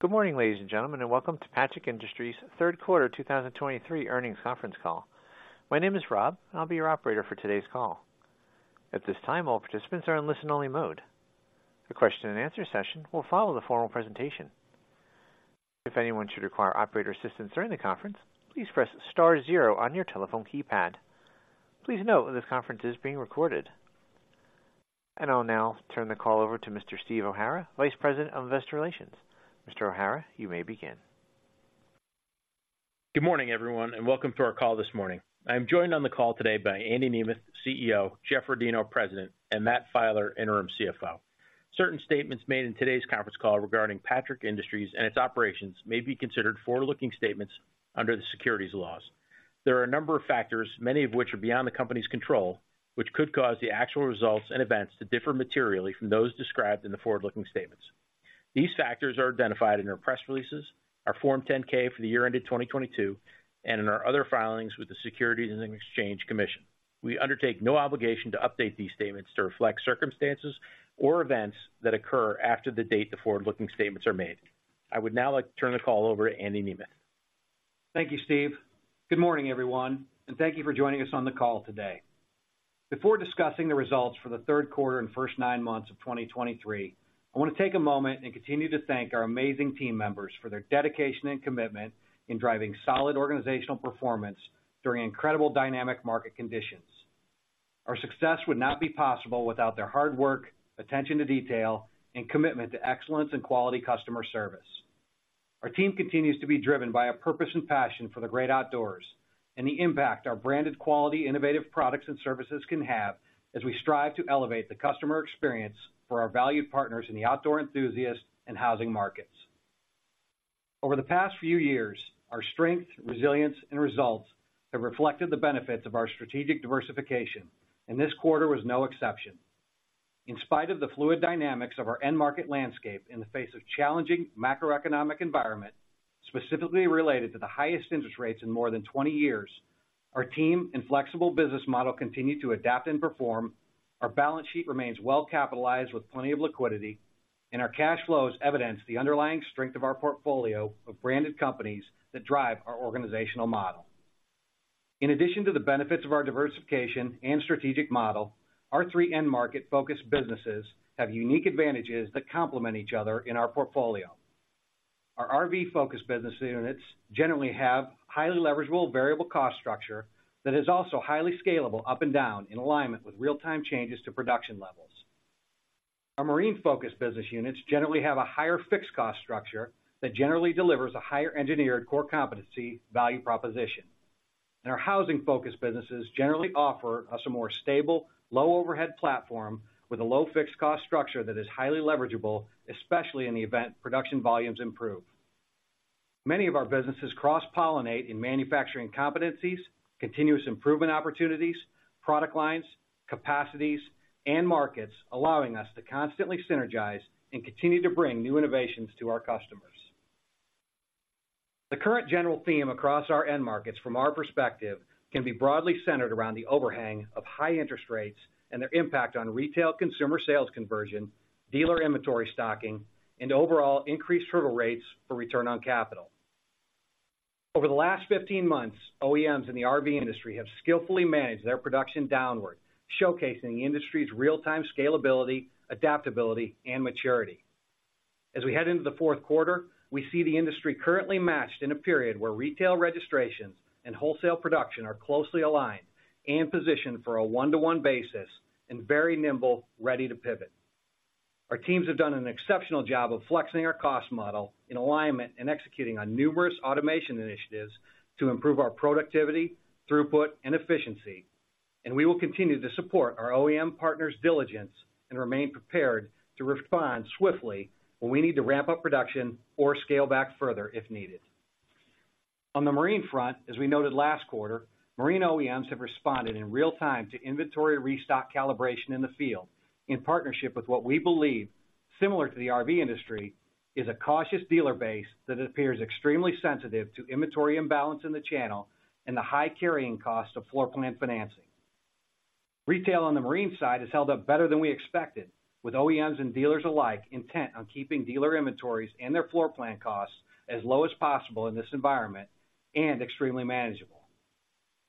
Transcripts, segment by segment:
Good morning, ladies and gentlemen, and welcome to Patrick Industries' third quarter 2023 earnings conference call. My name is Rob, and I'll be your operator for today's call. At this time, all participants are in listen-only mode. A question and answer session will follow the formal presentation. If anyone should require operator assistance during the conference, please press star zero on your telephone keypad. Please note, this conference is being recorded. I'll now turn the call over to Mr. Steve O'Hara, Vice President of Investor Relations. Mr. O'Hara, you may begin. Good morning, everyone, and welcome to our call this morning. I'm joined on the call today by Andy Nemeth, CEO, Jeff Rodino, President, and Matt Filer, Interim CFO. Certain statements made in today's conference call regarding Patrick Industries and its operations may be considered forward-looking statements under the securities laws. There are a number of factors, many of which are beyond the company's control, which could cause the actual results and events to differ materially from those described in the forward-looking statements. These factors are identified in our press releases, our Form 10-K for the year ended 2022, and in our other filings with the Securities and Exchange Commission. We undertake no obligation to update these statements to reflect circumstances or events that occur after the date the forward-looking statements are made. I would now like to turn the call over to Andy Nemeth. Thank you, Steve. Good morning, everyone, and thank you for joining us on the call today. Before discussing the results for the third quarter and first nine months of 2023, I wanna take a moment and continue to thank our amazing team members for their dedication and commitment in driving solid organizational performance during incredible dynamic market conditions. Our success would not be possible without their hard work, attention to detail, and commitment to excellence and quality customer service. Our team continues to be driven by a purpose and passion for the great outdoors and the impact our branded, quality, innovative products and services can have as we strive to elevate the customer experience for our valued partners in the outdoor enthusiasts and housing markets. Over the past few years, our strength, resilience, and results have reflected the benefits of our strategic diversification, and this quarter was no exception. In spite of the fluid dynamics of our end market landscape in the face of challenging macroeconomic environment, specifically related to the highest interest rates in more than 20 years, our team and flexible business model continue to adapt and perform. Our balance sheet remains well capitalized with plenty of liquidity, and our cash flows evidence the underlying strength of our portfolio of branded companies that drive our organizational model. In addition to the benefits of our diversification and strategic model, our three end market-focused businesses have unique advantages that complement each other in our portfolio. Our RV-focused business units generally have highly leverageable variable cost structure that is also highly scalable up and down in alignment with real-time changes to production levels. Our marine-focused business units generally have a higher fixed cost structure that generally delivers a higher engineered core competency value proposition. Our housing-focused businesses generally offer us a more stable, low-overhead platform with a low fixed cost structure that is highly leverageable, especially in the event production volumes improve. Many of our businesses cross-pollinate in manufacturing competencies, continuous improvement opportunities, product lines, capacities, and markets, allowing us to constantly synergize and continue to bring new innovations to our customers. The current general theme across our end markets, from our perspective, can be broadly centered around the overhang of high interest rates and their impact on retail consumer sales conversion, dealer inventory stocking, and overall increased hurdle rates for return on capital. Over the last 15 months, OEMs in the RV industry have skillfully managed their production downward, showcasing the industry's real-time scalability, adaptability, and maturity. As we head into the fourth quarter, we see the industry currently matched in a period where retail registrations and wholesale production are closely aligned and positioned for a one-to-one basis and very nimble, ready to pivot. Our teams have done an exceptional job of flexing our cost model in alignment and executing on numerous automation initiatives to improve our productivity, throughput, and efficiency. We will continue to support our OEM partners' diligence and remain prepared to respond swiftly when we need to ramp up production or scale back further if needed. On the marine front, as we noted last quarter, marine OEMs have responded in real time to inventory restock calibration in the field, in partnership with what we believe, similar to the RV industry, is a cautious dealer base that appears extremely sensitive to inventory imbalance in the channel and the high carrying cost of floor plan financing. Retail on the marine side has held up better than we expected, with OEMs and dealers alike intent on keeping dealer inventories and their floor plan costs as low as possible in this environment and extremely manageable.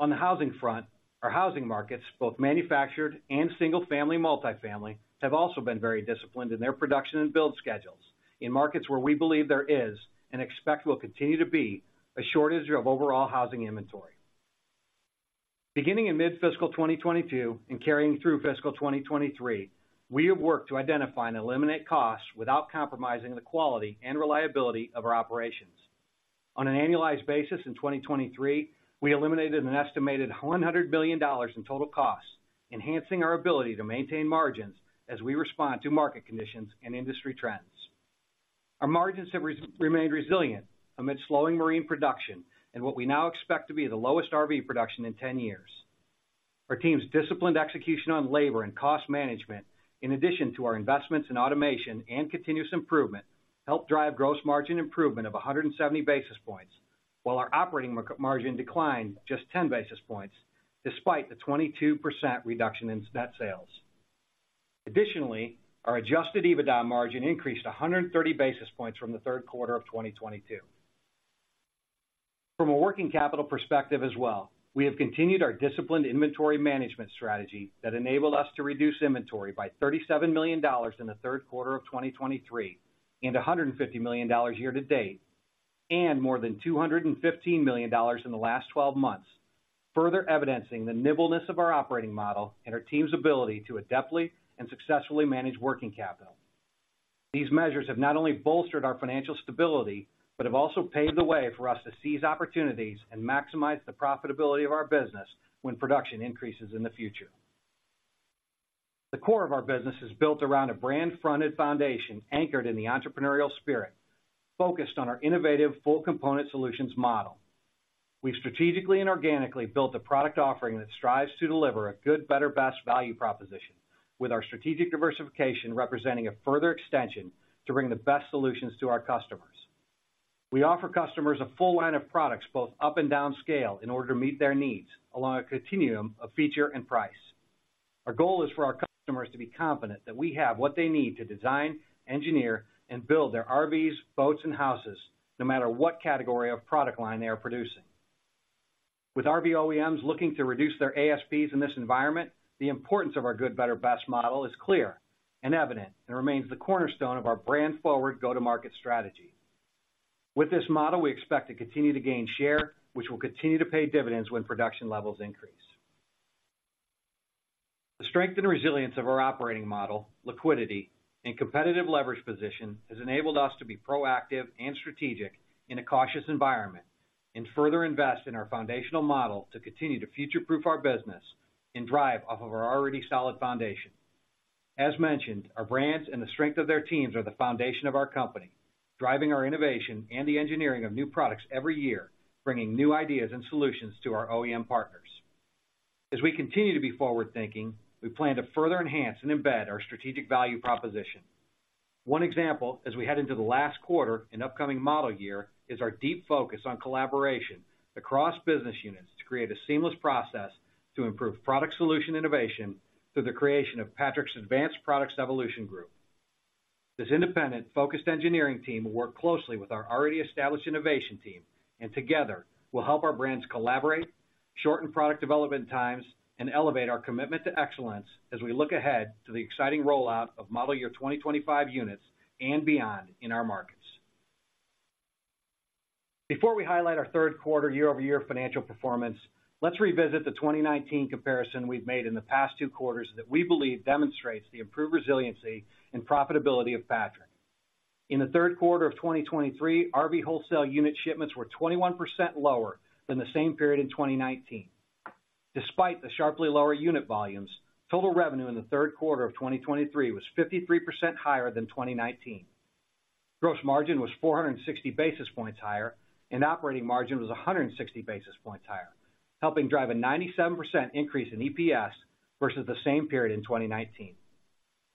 On the housing front, our housing markets, both manufactured and single-family, multifamily, have also been very disciplined in their production and build schedules in markets where we believe there is and expect will continue to be a shortage of overall housing inventory. Beginning in mid-fiscal 2022 and carrying through fiscal 2023, we have worked to identify and eliminate costs without compromising the quality and reliability of our operations. On an annualized basis in 2023, we eliminated an estimated $100 million in total costs, enhancing our ability to maintain margins as we respond to market conditions and industry trends. Our margins have remained resilient amid slowing marine production and what we now expect to be the lowest RV production in 10 years. Our team's disciplined execution on labor and cost management, in addition to our investments in automation and continuous improvement, helped drive gross margin improvement of 170 basis points, while our operating margin declined just 10 basis points, despite the 22% reduction in net sales. Additionally, our adjusted EBITDA margin increased 100 basis points from the third quarter of 2022. From a working capital perspective as well, we have continued our disciplined inventory management strategy that enabled us to reduce inventory by $37 million in the third quarter of 2023, and $150 million year-to-date, and more than $215 million in the last 12 months, further evidencing the nimbleness of our operating model and our team's ability to adeptly and successfully manage working capital. These measures have not only bolstered our financial stability, but have also paved the way for us to seize opportunities and maximize the profitability of our business when production increases in the future. The core of our business is built around a brand-fronted foundation, anchored in the entrepreneurial spirit, focused on our innovative full component solutions model. We've strategically and organically built a product offering that strives to deliver a good, better, best value proposition, with our strategic diversification representing a further extension to bring the best solutions to our customers. We offer customers a full line of products, both up and down scale, in order to meet their needs along a continuum of feature and price. Our goal is for our customers to be confident that we have what they need to design, engineer, and build their RVs, boats, and houses, no matter what category of product line they are producing. With RV OEMs looking to reduce their ASPs in this environment, the importance of our good, better, best model is clear and evident, and remains the cornerstone of our brand-forward go-to-market strategy. With this model, we expect to continue to gain share, which will continue to pay dividends when production levels increase. The strength and resilience of our operating model, liquidity, and competitive leverage position has enabled us to be proactive and strategic in a cautious environment, and further invest in our foundational model to continue to future-proof our business and drive off of our already solid foundation. As mentioned, our brands and the strength of their teams are the foundation of our company, driving our innovation and the engineering of new products every year, bringing new ideas and solutions to our OEM partners. As we continue to be forward-thinking, we plan to further enhance and embed our strategic value proposition. One example, as we head into the last quarter and upcoming model year, is our deep focus on collaboration across business units to create a seamless process to improve product solution innovation through the creation of Patrick's Advanced Product Evolution Group. This independent, focused engineering team will work closely with our already established innovation team, and together, will help our brands collaborate, shorten product development times, and elevate our commitment to excellence as we look ahead to the exciting rollout of model year 2025 units and beyond in our markets. Before we highlight our third quarter year-over-year financial performance, let's revisit the 2019 comparison we've made in the past two quarters that we believe demonstrates the improved resiliency and profitability of Patrick. In the third quarter of 2023, RV wholesale unit shipments were 21% lower than the same period in 2019. Despite the sharply lower unit volumes, total revenue in the third quarter of 2023 was 53% higher than 2019. Gross margin was 460 basis points higher, and operating margin was 160 basis points higher, helping drive a 97% increase in EPS versus the same period in 2019.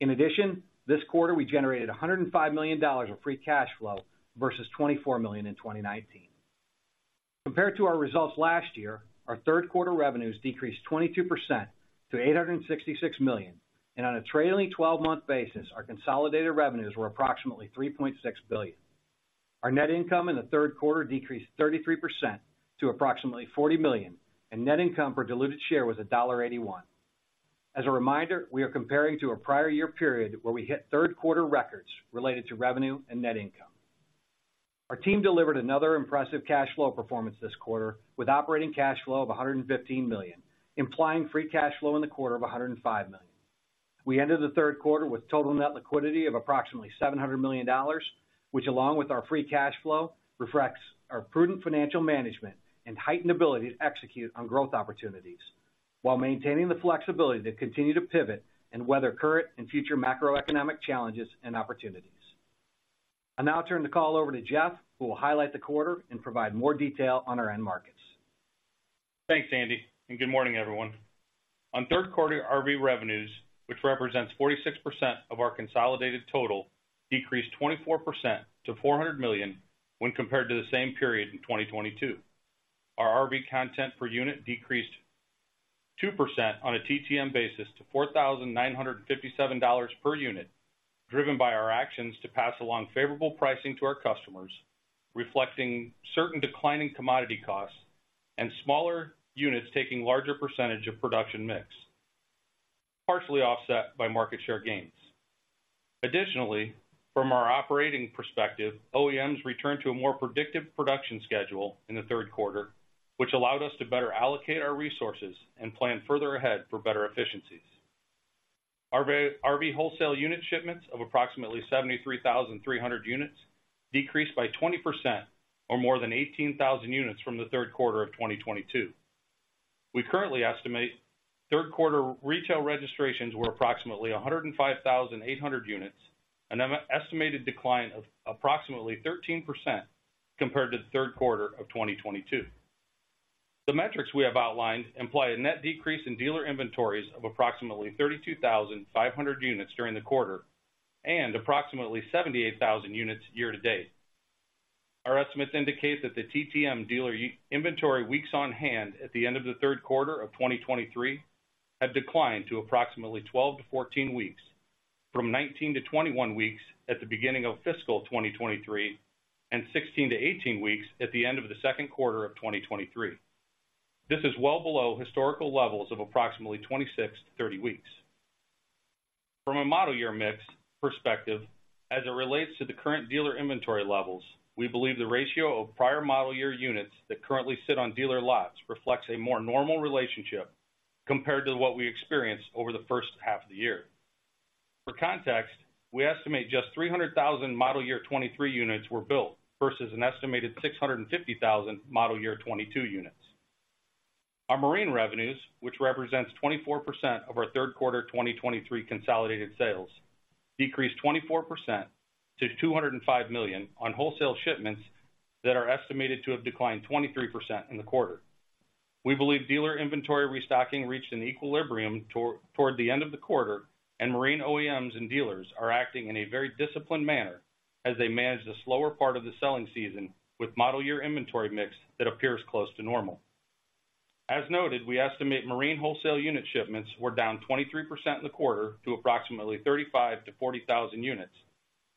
In addition, this quarter, we generated $105 million of free cash flow versus $24 million in 2019. Compared to our results last year, our third quarter revenues decreased 22% to $866 million, and on a trailing twelve-month basis, our consolidated revenues were approximately $3.6 billion. Our net income in the third quarter decreased 33% to approximately $40 million, and net income per diluted share was $1.81. As a reminder, we are comparing to a prior year period where we hit third quarter records related to revenue and net income. Our team delivered another impressive cash flow performance this quarter, with operating cash flow of $115 million, implying free cash flow in the quarter of $105 million. We ended the third quarter with total net liquidity of approximately $700 million, which, along with our free cash flow, reflects our prudent financial management and heightened ability to execute on growth opportunities while maintaining the flexibility to continue to pivot and weather current and future macroeconomic challenges and opportunities. I'll now turn the call over to Jeff, who will highlight the quarter and provide more detail on our end markets. Thanks, Andy, and good morning, everyone. On third quarter, RV revenues, which represents 46% of our consolidated total, decreased 24% to $400 million when compared to the same period in 2022. Our RV content per unit decreased 2% on a TTM basis to $4,957 per unit, driven by our actions to pass along favorable pricing to our customers, reflecting certain declining commodity costs and smaller units taking larger percentage of production mix, partially offset by market share gains. Additionally, from our operating perspective, OEMs returned to a more predictive production schedule in the third quarter, which allowed us to better allocate our resources and plan further ahead for better efficiencies. RV, RV wholesale unit shipments of approximately 73,300 units decreased by 20% or more than 18,000 units from the third quarter of 2022. We currently estimate third-quarter retail registrations were approximately 105,800 units, an estimated decline of approximately 13% compared to the third quarter of 2022. The metrics we have outlined imply a net decrease in dealer inventories of approximately 32,500 units during the quarter and approximately 78,000 units year-to-date. Our estimates indicate that the TTM dealer inventory weeks on hand at the end of the third quarter of 2023, have declined to approximately 12-14 weeks, from 19-21 weeks at the beginning of fiscal 2023, and 16-18 weeks at the end of the second quarter of 2023. This is well below historical levels of approximately 26-30 weeks. From a model year mix perspective, as it relates to the current dealer inventory levels, we believe the ratio of prior model year units that currently sit on dealer lots reflects a more normal relationship compared to what we experienced over the first half of the year. For context, we estimate just 300,000 model year 2023 units were built versus an estimated 650,000 model year 2022 units. Our marine revenues, which represents 24% of our third quarter 2023 consolidated sales, decreased 24% to $205 million on wholesale shipments that are estimated to have declined 23% in the quarter. We believe dealer inventory restocking reached an equilibrium toward the end of the quarter, and marine OEMs and dealers are acting in a very disciplined manner as they manage the slower part of the selling season, with model year inventory mix that appears close to normal. As noted, we estimate marine wholesale unit shipments were down 23% in the quarter to approximately 35,000-40,000 units,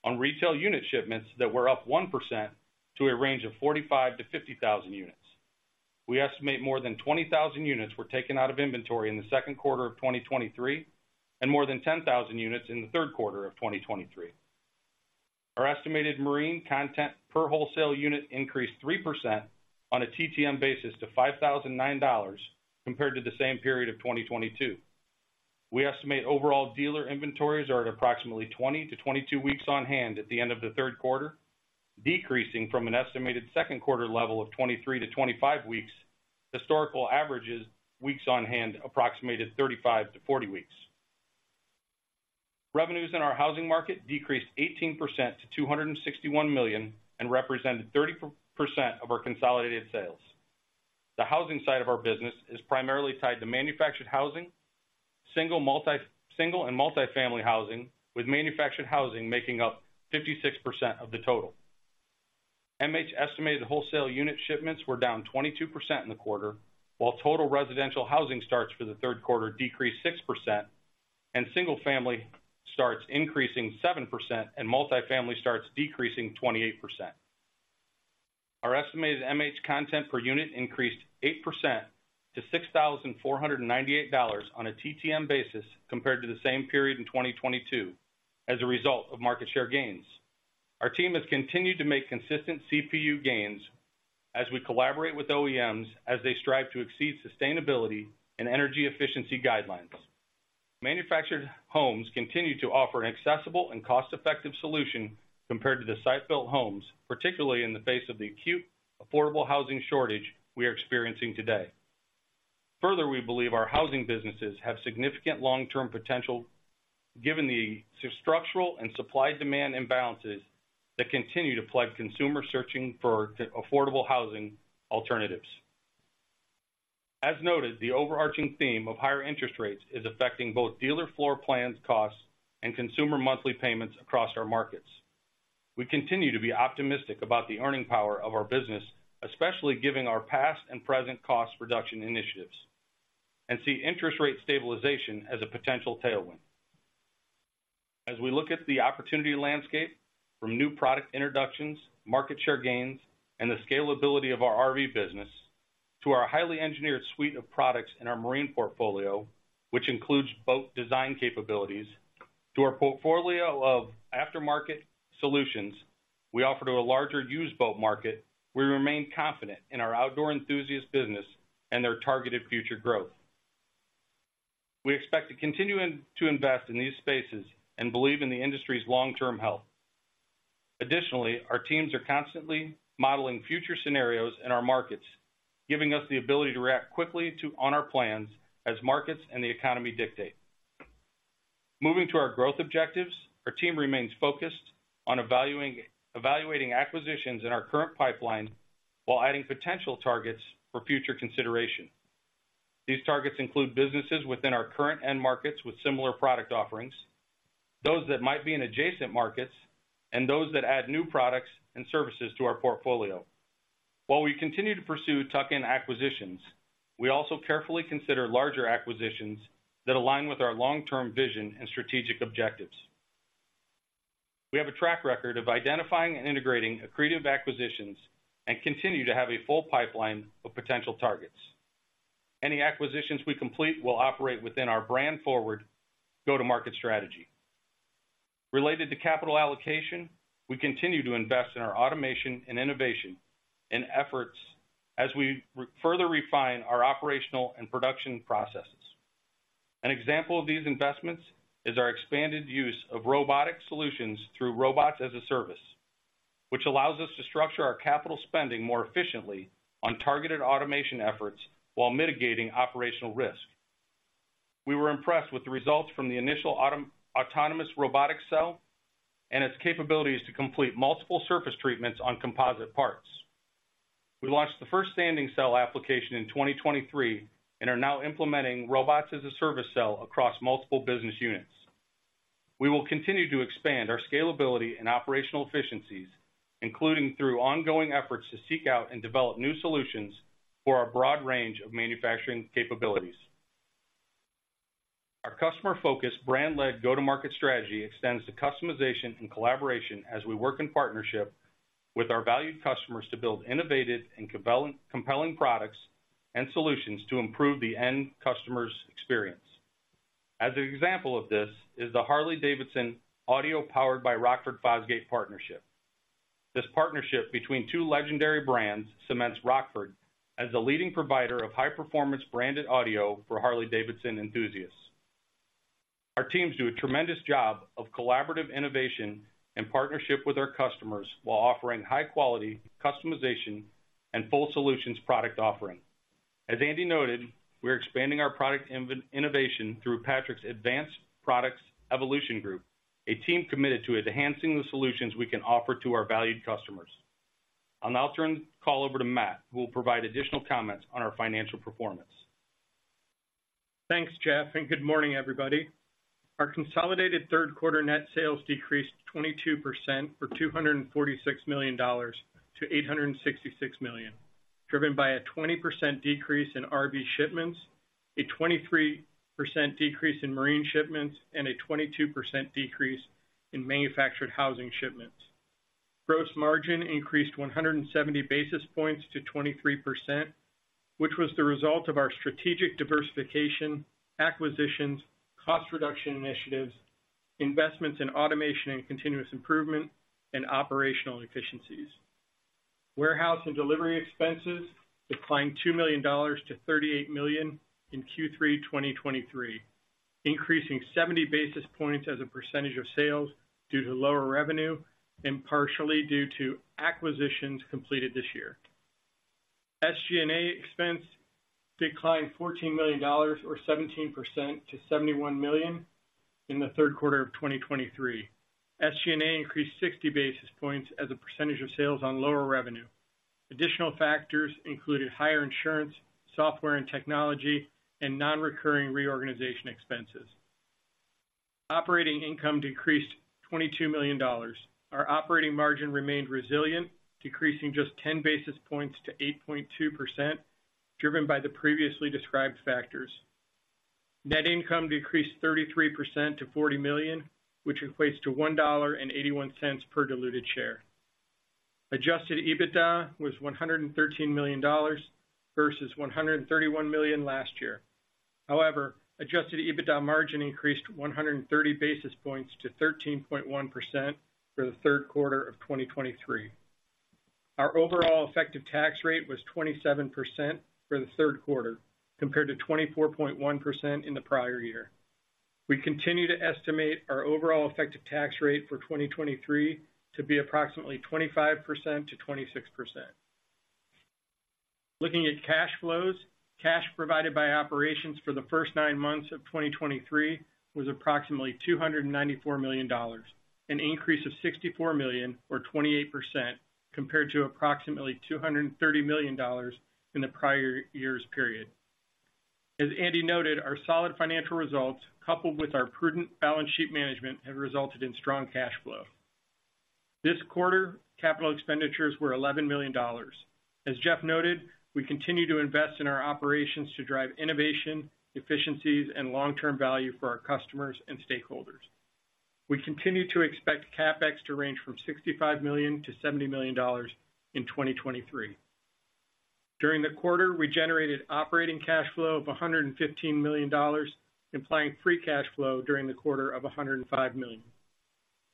on retail unit shipments that were up 1% to a range of 45,000-50,000 units. We estimate more than 20,000 units were taken out of inventory in the second quarter of 2023, and more than 10,000 units in the third quarter of 2023. Our estimated marine content per wholesale unit increased 3% on a TTM basis to $5,009, compared to the same period of 2022. We estimate overall dealer inventories are at approximately 20-22 weeks on hand at the end of the third quarter, decreasing from an estimated second quarter level of 23-25 weeks. Historical averages, weeks on hand approximated 35-40 weeks. Revenues in our housing market decreased 18% to $261 million, and represented 30% of our consolidated sales. The housing side of our business is primarily tied to manufactured housing, single and multifamily housing, with manufactured housing making up 56% of the total. MH estimated wholesale unit shipments were down 22% in the quarter, while total residential housing starts for the third quarter decreased 6%, and single-family starts increasing 7%, and multifamily starts decreasing 28%. Our estimated MH content per unit increased 8% to $6,498 on a TTM basis compared to the same period in 2022 as a result of market share gains. Our team has continued to make consistent CPU gains as we collaborate with OEMs as they strive to exceed sustainability and energy efficiency guidelines. Manufactured homes continue to offer an accessible and cost-effective solution compared to the site-built homes, particularly in the face of the acute, affordable housing shortage we are experiencing today. Further, we believe our housing businesses have significant long-term potential, given the structural and supply-demand imbalances that continue to plague consumers searching for affordable housing alternatives. As noted, the overarching theme of higher interest rates is affecting both dealer floor plans costs and consumer monthly payments across our markets. We continue to be optimistic about the earning power of our business, especially given our past and present cost reduction initiatives, and see interest rate stabilization as a potential tailwind. As we look at the opportunity landscape, from new product introductions, market share gains, and the scalability of our RV business, to our highly engineered suite of products in our marine portfolio, which includes boat design capabilities, to our portfolio of aftermarket solutions we offer to a larger used boat market, we remain confident in our outdoor enthusiasts business and their targeted future growth. We expect to continue to invest in these spaces and believe in the industry's long-term health. Additionally, our teams are constantly modeling future scenarios in our markets, giving us the ability to react quickly to our plans as markets and the economy dictate. Moving to our growth objectives, our team remains focused on evaluating acquisitions in our current pipeline while adding potential targets for future consideration. These targets include businesses within our current end markets with similar product offerings, those that might be in adjacent markets, and those that add new products and services to our portfolio. While we continue to pursue tuck-in acquisitions, we also carefully consider larger acquisitions that align with our long-term vision and strategic objectives. We have a track record of identifying and integrating accretive acquisitions and continue to have a full pipeline of potential targets. Any acquisitions we complete will operate within our brand forward go-to-market strategy. Related to capital allocation, we continue to invest in our automation and innovation in efforts as we further refine our operational and production processes. An example of these investments is our expanded use of robotic solutions through Robots as a Service, which allows us to structure our capital spending more efficiently on targeted automation efforts while mitigating operational risk. We were impressed with the results from the initial autonomous robotic cell and its capabilities to complete multiple surface treatments on composite parts. We launched the first standing cell application in 2023, and are now implementing Robots as a Service cell across multiple business units. We will continue to expand our scalability and operational efficiencies, including through ongoing efforts to seek out and develop new solutions for our broad range of manufacturing capabilities. Our customer-focused, brand-led go-to-market strategy extends to customization and collaboration as we work in partnership with our valued customers to build innovative and compelling products and solutions to improve the end customer's experience. As an example of this is the Harley-Davidson Audio, powered by Rockford Fosgate partnership. This partnership between two legendary brands cements Rockford as the leading provider of high-performance branded audio for Harley-Davidson enthusiasts. Our teams do a tremendous job of collaborative innovation and partnership with our customers, while offering high quality, customization, and full solutions product offering. As Andy noted, we're expanding our product innovation through Patrick's Advanced Products Evolution Group, a team committed to enhancing the solutions we can offer to our valued customers. I'll now turn the call over to Matt, who will provide additional comments on our financial performance. Thanks, Jeff, and good morning, everybody. Our consolidated third quarter net sales decreased 22% for $246 million-$866 million, driven by a 20% decrease in RV shipments, a 23% decrease in marine shipments, and a 22% decrease in manufactured housing shipments. Gross margin increased 170 basis points to 23%, which was the result of our strategic diversification, acquisitions, cost reduction initiatives, investments in automation and continuous improvement, and operational efficiencies. Warehouse and delivery expenses declined $2 million-$38 million in Q3 2023, increasing 70 basis points as a percentage of sales due to lower revenue and partially due to acquisitions completed this year. SG&A expense declined $14 million, or 17% to $71 million in the third quarter of 2023. SG&A increased 60 basis points as a percentage of sales on lower revenue. Additional factors included higher insurance, software and technology, and non-recurring reorganization expenses. Operating income decreased $22 million. Our operating margin remained resilient, decreasing just 10 basis points to 8.2%, driven by the previously described factors. Net income decreased 33% to $40 million, which equates to $1.81 per diluted share. Adjusted EBITDA was $113 million versus $131 million last year. However, adjusted EBITDA margin increased 130 basis points to 13.1% for the third quarter of 2023. Our overall effective tax rate was 27% for the third quarter, compared to 24.1% in the prior year. We continue to estimate our overall effective tax rate for 2023 to be approximately 25%-26%. Looking at cash flows, cash provided by operations for the first nine months of 2023 was approximately $294 million, an increase of $64 million or 28%, compared to approximately $230 million in the prior year's period. As Andy noted, our solid financial results, coupled with our prudent balance sheet management, have resulted in strong cash flow. This quarter, capital expenditures were $11 million. As Jeff noted, we continue to invest in our operations to drive innovation, efficiencies, and long-term value for our customers and stakeholders. We continue to expect CapEx to range from $65 million-$70 million in 2023. During the quarter, we generated operating cash flow of $115 million, implying free cash flow during the quarter of $105 million.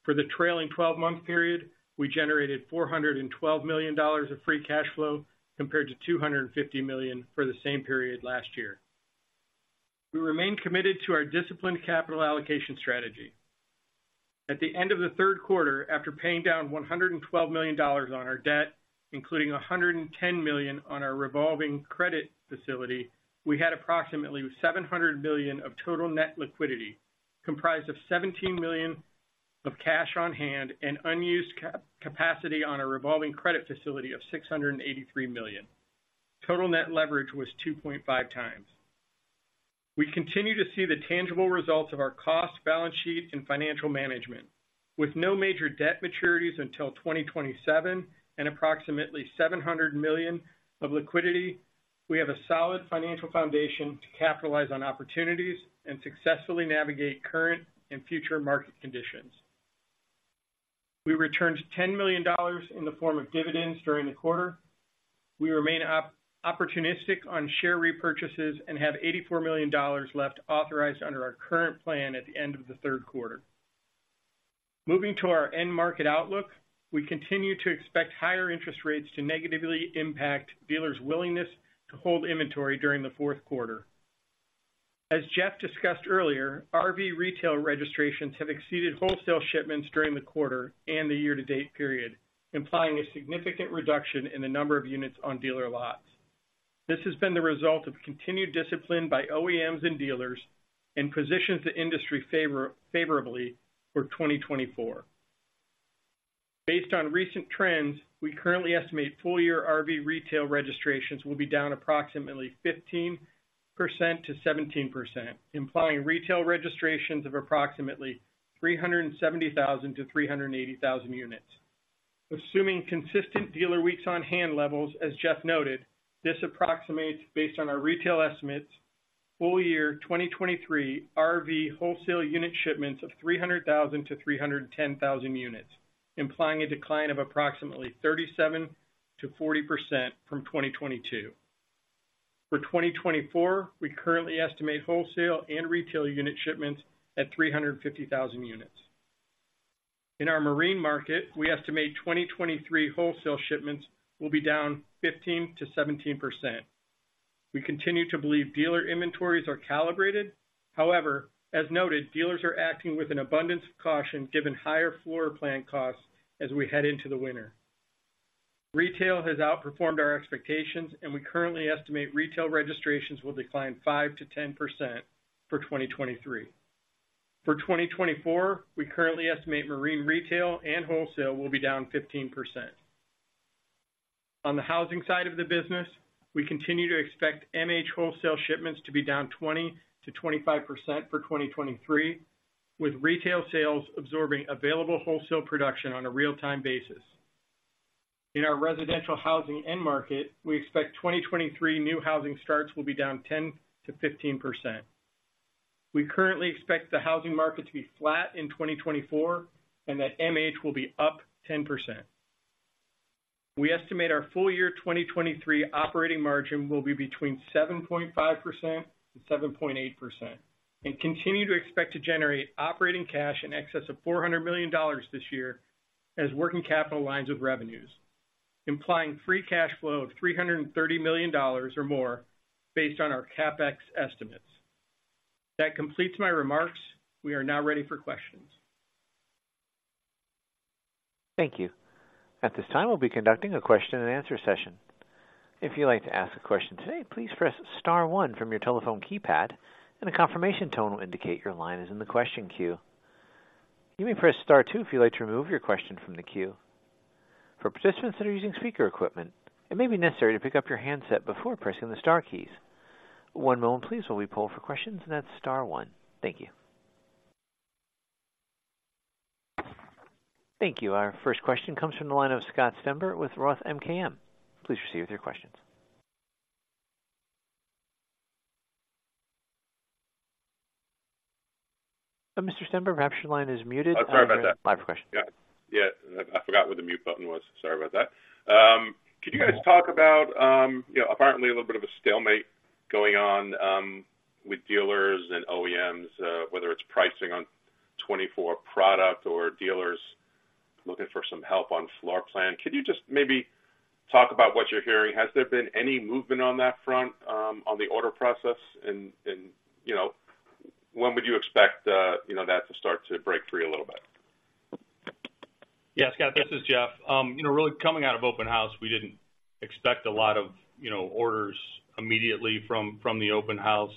For the trailing 12-month period, we generated $412 million of free cash flow, compared to $250 million for the same period last year. We remain committed to our disciplined capital allocation strategy. At the end of the third quarter, after paying down $112 million on our debt, including $110 million on our revolving credit facility, we had approximately $700 million of total net liquidity, comprised of $17 million of cash on hand and unused capacity on a revolving credit facility of $683 million. Total net leverage was 2.5x. We continue to see the tangible results of our cost, balance sheet, and financial management. With no major debt maturities until 2027 and approximately $700 million of liquidity, we have a solid financial foundation to capitalize on opportunities and successfully navigate current and future market conditions. We returned $10 million in the form of dividends during the quarter. We remain opportunistic on share repurchases and have $84 million left authorized under our current plan at the end of the third quarter. Moving to our end market outlook, we continue to expect higher interest rates to negatively impact dealers' willingness to hold inventory during the fourth quarter. As Jeff discussed earlier, RV retail registrations have exceeded wholesale shipments during the quarter and the year-to-date period, implying a significant reduction in the number of units on dealer lots. This has been the result of continued discipline by OEMs and dealers, and positions the industry favorably for 2024. Based on recent trends, we currently estimate full-year RV retail registrations will be down approximately 15%-17%, implying retail registrations of approximately 370,000-380,000 units. Assuming consistent dealer weeks on hand levels, as Jeff noted, this approximates, based on our retail estimates, full year 2023 RV wholesale unit shipments of 300,000-310,000 units, implying a decline of approximately 37%-40% from 2022. For 2024, we currently estimate wholesale and retail unit shipments at 350,000 units. In our marine market, we estimate 2023 wholesale shipments will be down 15%-17%. We continue to believe dealer inventories are calibrated. However, as noted, dealers are acting with an abundance of caution, given higher floor plan costs as we head into the winter. Retail has outperformed our expectations, and we currently estimate retail registrations will decline 5%-10% for 2023. For 2024, we currently estimate marine retail and wholesale will be down 15%. On the housing side of the business, we continue to expect MH wholesale shipments to be down 20%-25% for 2023, with retail sales absorbing available wholesale production on a real-time basis. In our residential housing end market, we expect 2023 new housing starts will be down 10%-15%. We currently expect the housing market to be flat in 2024 and that MH will be up 10%. We estimate our full year 2023 operating margin will be between 7.5% and 7.8%, and continue to expect to generate operating cash in excess of $400 million this year as working capital lines of revenues, implying free cash flow of $330 million or more based on our CapEx estimates. That completes my remarks. We are now ready for questions. Thank you. At this time, we'll be conducting a question and answer session. If you'd like to ask a question today, please press star one from your telephone keypad, and a confirmation tone will indicate your line is in the question queue. You may press star two if you'd like to remove your question from the queue. For participants that are using speaker equipment, it may be necessary to pick up your handset before pressing the star keys. One moment please, while we pull for questions, and that's star one. Thank you. Thank you. Our first question comes from the line of Scott Stember with Roth MKM. Please proceed with your questions. Mr. Stember, perhaps your line is muted. Oh, sorry about that. Live question. Yeah. Yeah, I, I forgot where the mute button was. Sorry about that. Could you guys talk about, you know, apparently a little bit of a stalemate going on, with dealers and OEMs, whether it's pricing on 2024 product or dealers looking for some help on floor plan. Could you just maybe talk about what you're hearing? Has there been any movement on that front, on the order process? And, you know, when would you expect, you know, that to start to break free a little bit? Yeah, Scott, this is Jeff. You know, really coming out of open house, we didn't expect a lot of, you know, orders immediately from the open house.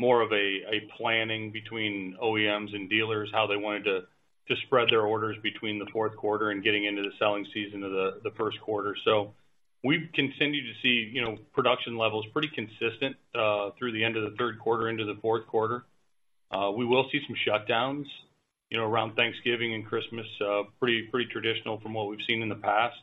More of a planning between OEMs and dealers, how they wanted to spread their orders between the fourth quarter and getting into the selling season of the first quarter. So we've continued to see, you know, production levels pretty consistent through the end of the third quarter into the fourth quarter. We will see some shutdowns, you know, around Thanksgiving and Christmas. Pretty traditional from what we've seen in the past.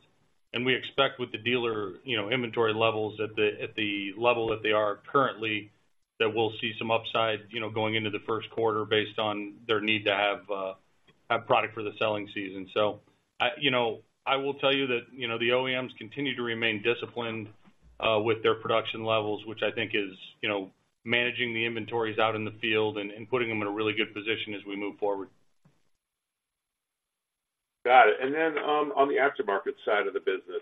We expect with the dealer, you know, inventory levels at the level that they are currently, that we'll see some upside, you know, going into the first quarter based on their need to have product for the selling season. So I, you know, I will tell you that, you know, the OEMs continue to remain disciplined with their production levels, which I think is, you know, managing the inventories out in the field and putting them in a really good position as we move forward. Got it. And then, on the aftermarket side of the business,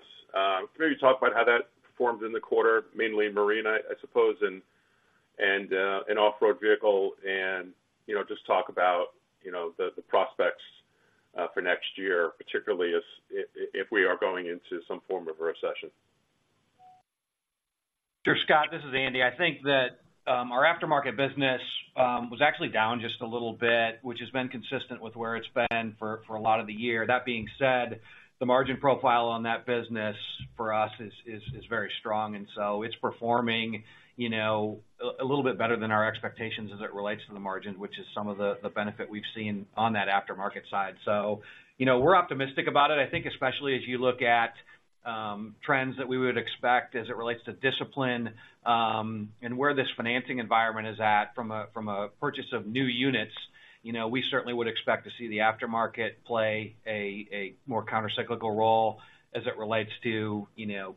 maybe talk about how that performed in the quarter, mainly marine, I suppose, and off-road vehicle, and, you know, just talk about, you know, the prospects, for next year, particularly as if we are going into some form of a recession. Sure, Scott, this is Andy. I think that, our aftermarket business, was actually down just a little bit, which has been consistent with where it's been for, for a lot of the year. That being said, the margin profile on that business for us is very strong, and so it's performing, you know, a little bit better than our expectations as it relates to the margin, which is some of the benefit we've seen on that aftermarket side. So, you know, we're optimistic about it. I think especially as you look at trends that we would expect as it relates to discipline, and where this financing environment is at from a purchase of new units, you know, we certainly would expect to see the aftermarket play a more countercyclical role as it relates to, you know,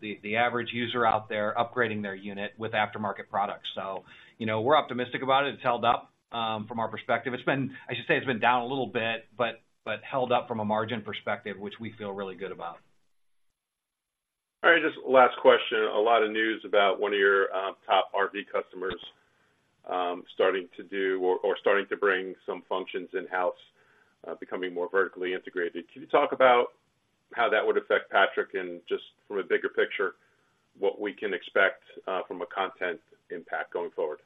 the average user out there upgrading their unit with aftermarket products. So, you know, we're optimistic about it. It's held up from our perspective. It's been. I should say, it's been down a little bit, but held up from a margin perspective, which we feel really good about. All right, just last question. A lot of news about one of your top RV customers starting to bring some functions in-house, becoming more vertically integrated. Can you talk about how that would affect Patrick and just from a bigger picture, what we can expect from a content impact going forward?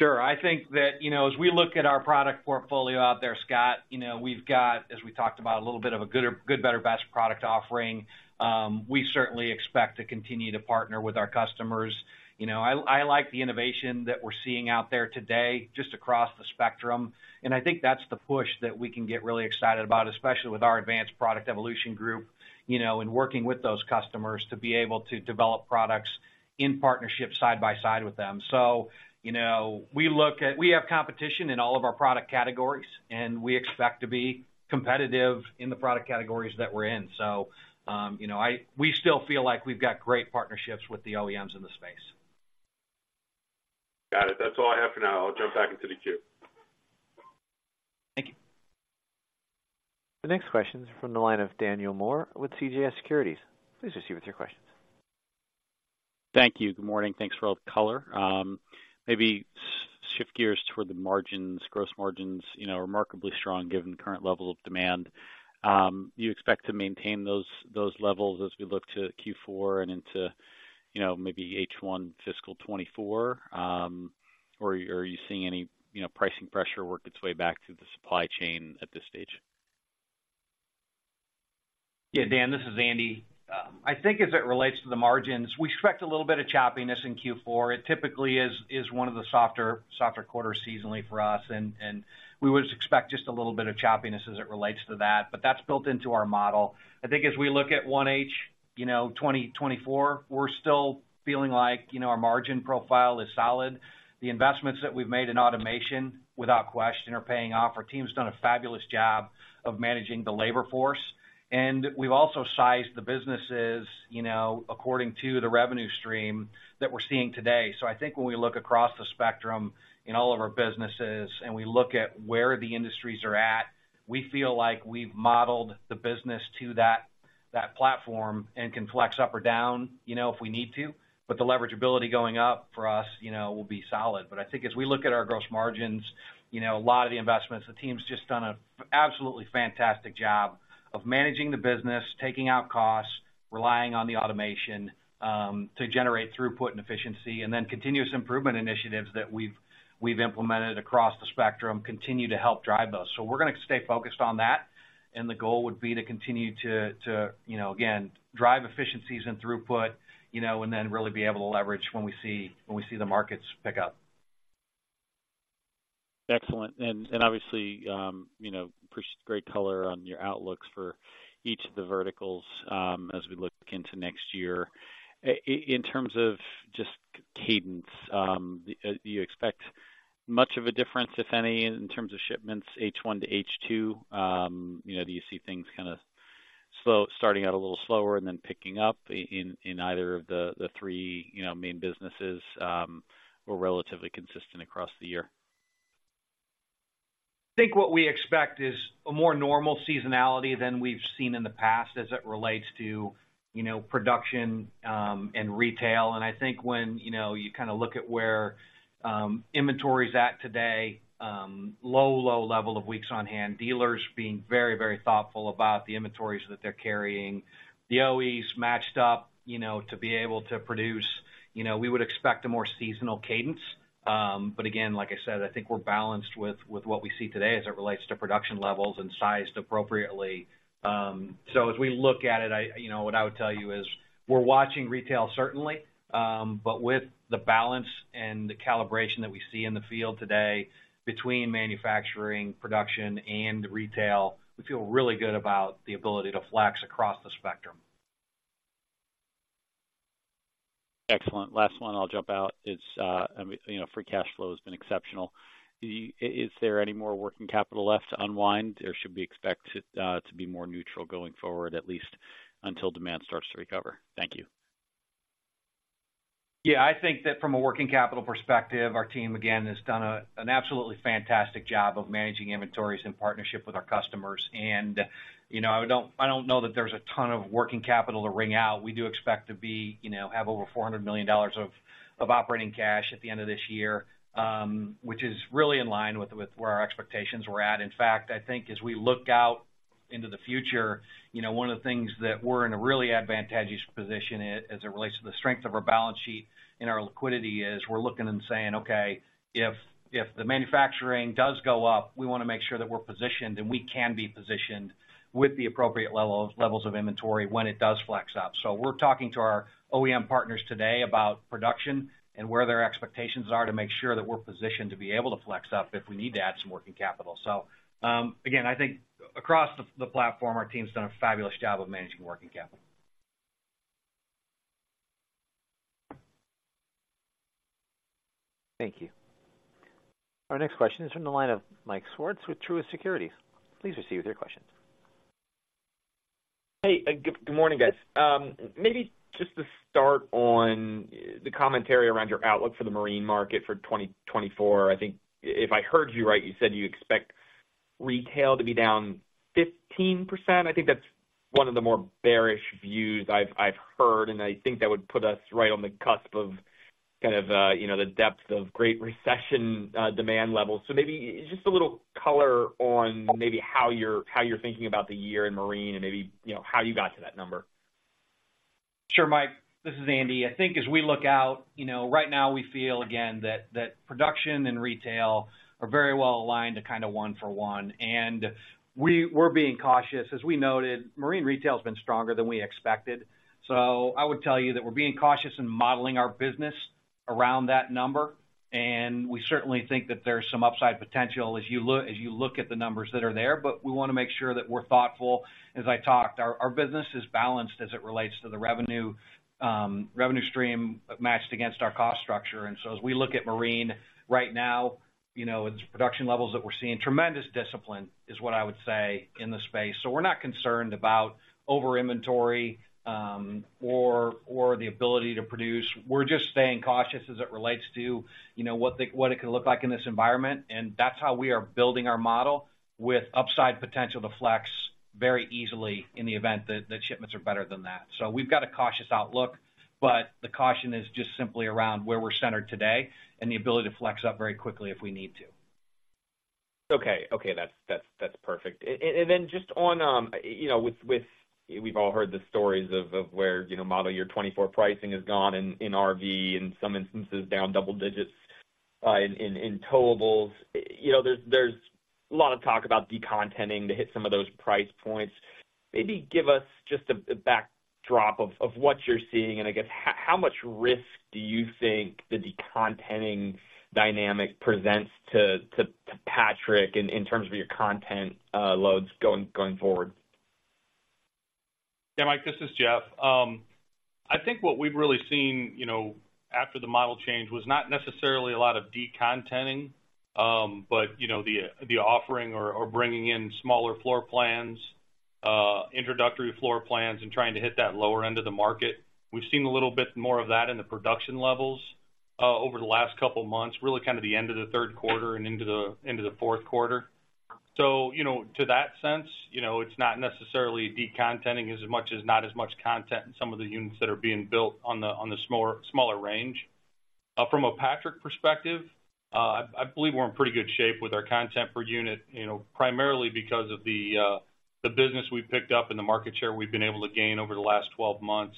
Sure. I think that, you know, as we look at our product portfolio out there, Scott, you know, we've got, as we talked about, a little bit of a good, better, best product offering. We certainly expect to continue to partner with our customers. You know, I, I like the innovation that we're seeing out there today, just across the spectrum. And I think that's the push that we can get really excited about, especially with our advanced product evolution group, you know, and working with those customers to be able to develop products in partnership side by side with them. So, you know, we have competition in all of our product categories, and we expect to be competitive in the product categories that we're in. So, you know, we still feel like we've got great partnerships with the OEMs in the space. Got it. That's all I have for now. I'll jump back into the queue. Thank you. The next question is from the line of Daniel Moore with CJS Securities. Please proceed with your questions. Thank you. Good morning. Thanks for all the color. Maybe shift gears toward the margins. Gross margins, you know, are remarkably strong given the current level of demand. Do you expect to maintain those, those levels as we look to Q4 and into, you know, maybe H1 fiscal 2024? Or are you seeing any, you know, pricing pressure work its way back through the supply chain at this stage? Yeah, Dan, this is Andy. I think as it relates to the margins, we expect a little bit of choppiness in Q4. It typically is one of the softer quarters seasonally for us, and we would expect just a little bit of choppiness as it relates to that, but that's built into our model. I think as we look at 1H, you know, 2024, we're still feeling like, you know, our margin profile is solid. The investments that we've made in automation, without question, are paying off. Our team's done a fabulous job of managing the labor force, and we've also sized the businesses, you know, according to the revenue stream that we're seeing today. So I think when we look across the spectrum in all of our businesses, and we look at where the industries are at, we feel like we've modeled the business to that, that platform and can flex up or down, you know, if we need to, but the leverage ability going up for us, you know, will be solid. But I think as we look at our gross margins, you know, a lot of the investments, the team's just done an absolutely fantastic job of managing the business, taking out costs, relying on the automation to generate throughput and efficiency, and then continuous improvement initiatives that we've, we've implemented across the spectrum continue to help drive those. So we're gonna stay focused on that, and the goal would be to continue to, you know, again, drive efficiencies and throughput, you know, and then really be able to leverage when we see the markets pick up. Excellent. And obviously, you know, appreciate great color on your outlooks for each of the verticals, as we look into next year. In terms of just cadence, do you expect much of a difference, if any, in terms of shipments, H1 to H2? You know, do you see things kind of slow starting out a little slower and then picking up in either of the three main businesses, or relatively consistent across the year? I think what we expect is a more normal seasonality than we've seen in the past as it relates to, you know, production, and retail. I think when, you know, you kind of look at where, inventory is at today, low, low level of weeks on hand, dealers being very, very thoughtful about the inventories that they're carrying. The OEs matched up, you know, to be able to produce. You know, we would expect a more seasonal cadence. But again, like I said, I think we're balanced with, with what we see today as it relates to production levels and sized appropriately. So as we look at it, I, you know, what I would tell you is, we're watching retail, certainly, but with the balance and the calibration that we see in the field today between manufacturing, production, and retail, we feel really good about the ability to flex across the spectrum. Excellent. Last one, I'll jump out. It's, I mean, you know, free cash flow has been exceptional. Is there any more working capital left to unwind, or should we expect it to be more neutral going forward, at least until demand starts to recover? Thank you. Yeah, I think that from a working capital perspective, our team, again, has done an absolutely fantastic job of managing inventories in partnership with our customers. And, you know, I don't know that there's a ton of working capital to wring out. We do expect to be, you know, have over $400 million of operating cash at the end of this year, which is really in line with where our expectations were at. In fact, I think as we look out into the future, you know, one of the things that we're in a really advantageous position in, as it relates to the strength of our balance sheet and our liquidity, is we're looking and saying, "Okay, if the manufacturing does go up, we want to make sure that we're positioned, and we can be positioned with the appropriate levels of inventory when it does flex up." So we're talking to our OEM partners today about production and where their expectations are to make sure that we're positioned to be able to flex up if we need to add some working capital. So, again, I think across the platform, our team's done a fabulous job of managing working capital. Thank you. Our next question is from the line of Mike Swartz with Truist Securities. Please proceed with your questions. Hey, good morning, guys. Maybe just to start on the commentary around your outlook for the marine market for 2024. I think if I heard you right, you said you expect retail to be down 15%. I think that's one of the more bearish views I've heard, and I think that would put us right on the cusp of kind of, you know, the depth of great recession demand levels. So maybe just a little color on maybe how you're thinking about the year in marine and maybe, you know, how you got to that number. Sure, Mike, this is Andy. I think as we look out, you know, right now, we feel again, that production and retail are very well aligned to kind of one for one, and we're being cautious. As we noted, marine retail has been stronger than we expected. So I would tell you that we're being cautious in modeling our business around that number, and we certainly think that there's some upside potential as you look at the numbers that are there. But we want to make sure that we're thoughtful. As I talked, our business is balanced as it relates to the revenue stream matched against our cost structure. And so as we look at marine right now, you know, it's production levels that we're seeing. Tremendous discipline is what I would say in the space. So we're not concerned about over inventory, or the ability to produce. We're just staying cautious as it relates to, you know, what it could look like in this environment, and that's how we are building our model with upside potential to flex very easily in the event that shipments are better than that. So we've got a cautious outlook, but the caution is just simply around where we're centered today and the ability to flex up very quickly if we need to. Okay. Okay, that's perfect. And then just on, you know, with -- we've all heard the stories of where, you know, model year 2024 pricing has gone in RV, in some instances, down double digits in towables. You know, there's a lot of talk about de-contenting to hit some of those price points. Maybe give us just a backdrop of what you're seeing, and I guess, how much risk do you think the de-contenting dynamic presents to Patrick in terms of your content loads going forward? Yeah, Mike, this is Jeff. I think what we've really seen, you know, after the model change, was not necessarily a lot of de-contenting, but, you know, the offering or bringing in smaller floor plans, introductory floor plans and trying to hit that lower end of the market. We've seen a little bit more of that in the production levels, over the last couple of months, really kind of the end of the third quarter and into the fourth quarter. So, you know, to that sense, you know, it's not necessarily de-contenting as much as not as much content in some of the units that are being built on the smaller, smaller range. From a Patrick perspective, I believe we're in pretty good shape with our content per unit, you know, primarily because of the business we picked up and the market share we've been able to gain over the last 12 months.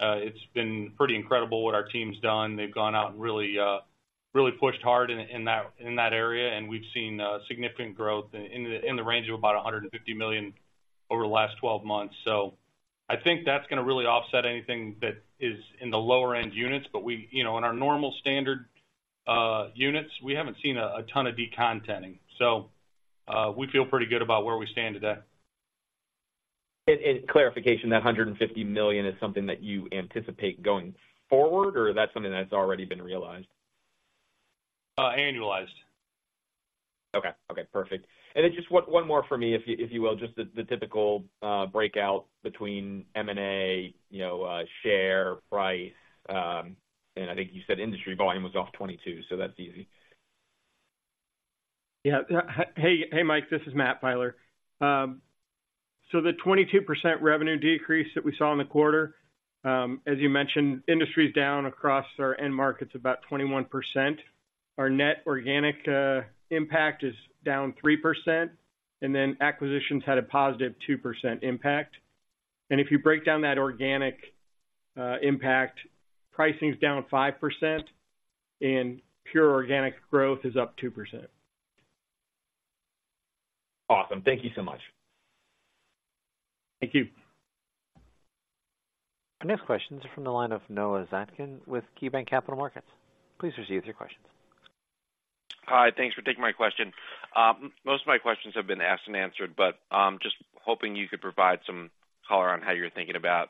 It's been pretty incredible what our team's done. They've gone out and really, really pushed hard in that area, and we've seen significant growth in the range of about $150 million over the last 12 months. I think that's going to really offset anything that is in the lower end units. In our normal standard units, we haven't seen a ton of de-contenting, so we feel pretty good about where we stand today. Clarification, that $150 million is something that you anticipate going forward, or that's something that's already been realized? Uh, annualized. Okay. Okay, perfect. And then just one more for me, if you will, just the typical breakout between M&A, you know, share price, and I think you said industry volume was off 22%, so that's easy. Yeah. Hey, hey, Mike, this is Matt Filer. So the 22% revenue decrease that we saw in the quarter, as you mentioned, industry is down across our end markets, about 21%. Our net organic impact is down 3%, and then acquisitions had a positive 2% impact. And if you break down that organic impact, pricing is down 5% and pure organic growth is up 2%. Awesome. Thank you so much. Thank you. Our next question is from the line of Noah Zatzkin with KeyBanc Capital Markets. Please proceed with your questions. Hi, thanks for taking my question. Most of my questions have been asked and answered, but just hoping you could provide some color on how you're thinking about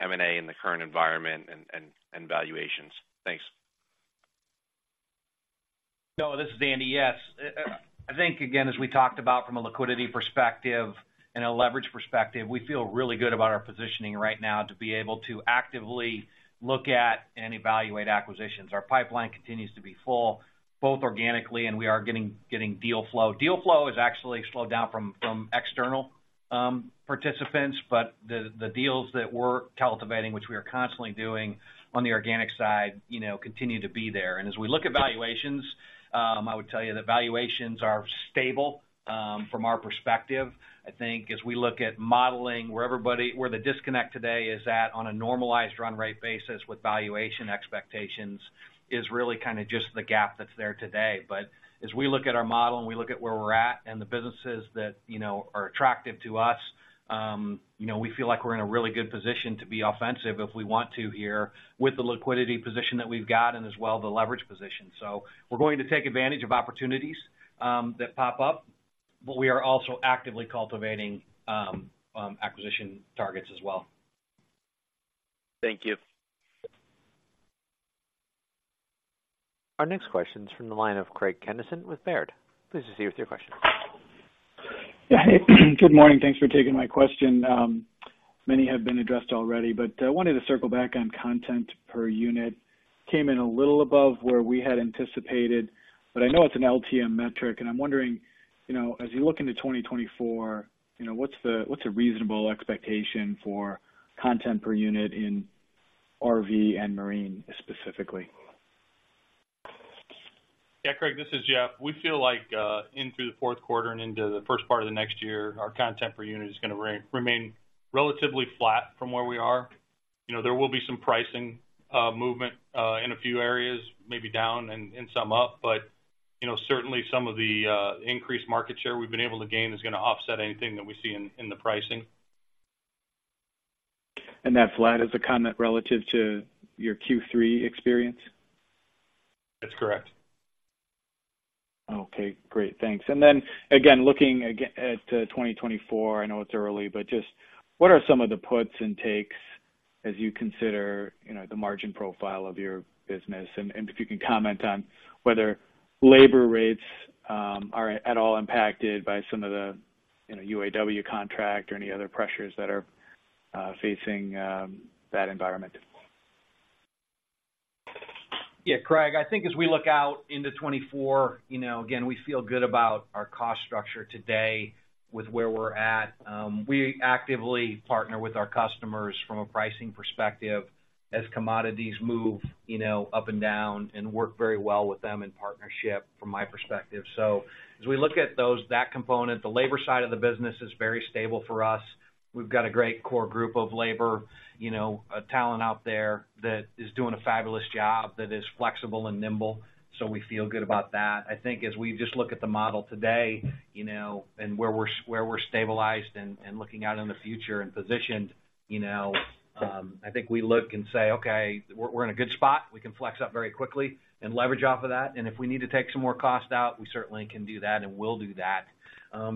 M&A in the current environment and valuations. Thanks. Noah, this is Andy. Yes. I think, again, as we talked about from a liquidity perspective and a leverage perspective, we feel really good about our positioning right now to be able to actively look at and evaluate acquisitions. Our pipeline continues to be full, both organically, and we are getting deal flow. Deal flow has actually slowed down from external participants, but the deals that we're cultivating, which we are constantly doing on the organic side, you know, continue to be there. And as we look at valuations, I would tell you that valuations are stable from our perspective. I think as we look at modeling, where everybody—where the disconnect today is at on a normalized run rate basis with valuation expectations, is really kind of just the gap that's there today. But as we look at our model and we look at where we're at and the businesses that, you know, are attractive to us, you know, we feel like we're in a really good position to be offensive if we want to here with the liquidity position that we've got and as well, the leverage position. So we're going to take advantage of opportunities that pop up, but we are also actively cultivating acquisition targets as well. Thank you. Our next question is from the line of Craig Kennison with Baird. Please proceed with your question. Yeah, good morning. Thanks for taking my question. Many have been addressed already, but I wanted to circle back on content per unit. Came in a little above where we had anticipated, but I know it's an LTM metric, and I'm wondering, you know, as you look into 2024, you know, what's the, what's a reasonable expectation for content per unit in RV and marine, specifically? Yeah, Craig, this is Jeff. We feel like in through the fourth quarter and into the first part of the next year, our content per unit is going to remain relatively flat from where we are. You know, there will be some pricing movement in a few areas, maybe down and some up. But you know, certainly some of the increased market share we've been able to gain is going to offset anything that we see in the pricing. That flat is a comment relative to your Q3 experience? That's correct. Okay, great. Thanks. And then again, looking at 2024, I know it's early, but just what are some of the puts and takes as you consider, you know, the margin profile of your business? And if you can comment on whether labor rates are at all impacted by some of the, you know, UAW contract or any other pressures that are facing that environment? Yeah, Craig, I think as we look out into 2024, you know, again, we feel good about our cost structure today with where we're at. We actively partner with our customers from a pricing perspective as commodities move, you know, up and down, and work very well with them in partnership, from my perspective. So as we look at those, that component, the labor side of the business is very stable for us. We've got a great core group of labor, you know, talent out there that is doing a fabulous job, that is flexible and nimble. So we feel good about that. I think as we just look at the model today, you know, and where we're, where we're stabilized and, and looking out in the future and positioned, you know, I think we look and say, "Okay, we're, we're in a good spot. We can flex up very quickly and leverage off of that. And if we need to take some more cost out, we certainly can do that, and we'll do that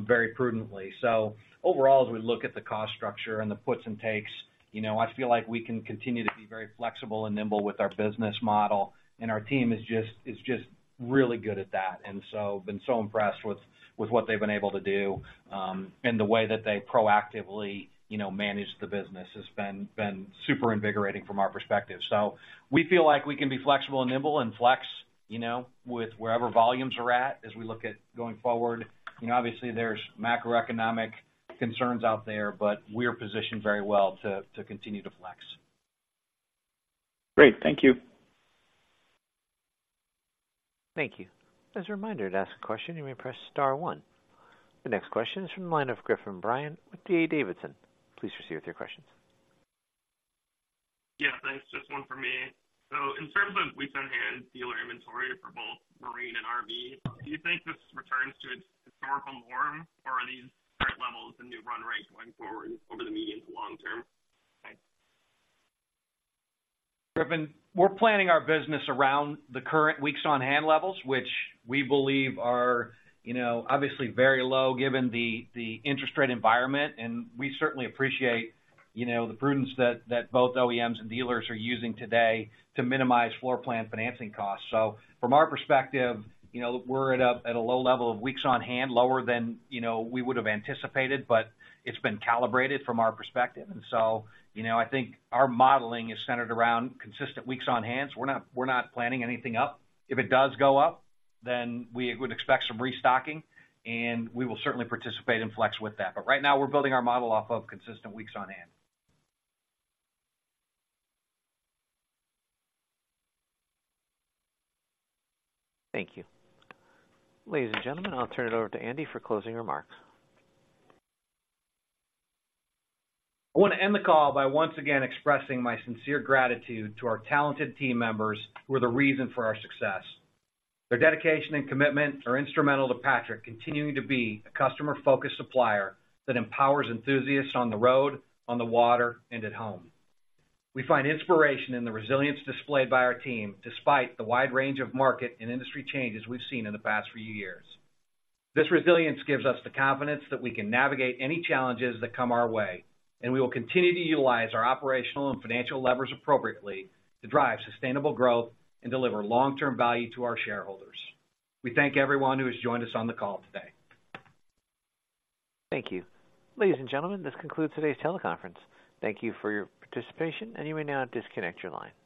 very prudently." So overall, as we look at the cost structure and the puts and takes, you know, I feel like we can continue to be very flexible and nimble with our business model, and our team is just really good at that, and so been so impressed with what they've been able to do, and the way that they proactively, you know, manage the business has been super invigorating from our perspective. So we feel like we can be flexible and nimble and flex, you know, with wherever volumes are at as we look at going forward. You know, obviously, there's macroeconomic concerns out there, but we're positioned very well to, to continue to flex. Great. Thank you. Thank you. As a reminder, to ask a question, you may press star one. The next question is from the line of Griffin Bryan with D.A. Davidson. Please proceed with your questions. Yeah, thanks. Just one for me. So in terms of Weeks on Hand dealer inventory for both marine and RV, do you think this returns to its historical norm, or are these current levels the new run rate going forward over the medium to long term? Thanks. Griffin, we're planning our business around the current weeks on hand levels, which we believe are, you know, obviously very low, given the interest rate environment. We certainly appreciate, you know, the prudence that both OEMs and dealers are using today to minimize floor plan financing costs. From our perspective, you know, we're at a low level of weeks on hand, lower than, you know, we would have anticipated, but it's been calibrated from our perspective. I think our modeling is centered around consistent weeks on hand. We're not planning anything up. If it does go up, then we would expect some restocking, and we will certainly participate and flex with that. But right now we're building our model off of consistent weeks on hand. Thank you. Ladies and gentlemen, I'll turn it over to Andy for closing remarks. I want to end the call by once again expressing my sincere gratitude to our talented team members, who are the reason for our success. Their dedication and commitment are instrumental to Patrick continuing to be a customer-focused supplier that empowers enthusiasts on the road, on the water, and at home. We find inspiration in the resilience displayed by our team, despite the wide range of market and industry changes we've seen in the past few years. This resilience gives us the confidence that we can navigate any challenges that come our way, and we will continue to utilize our operational and financial levers appropriately to drive sustainable growth and deliver long-term value to our shareholders. We thank everyone who has joined us on the call today. Thank you. Ladies and gentlemen, this concludes today's teleconference. Thank you for your participation, and you may now disconnect your line.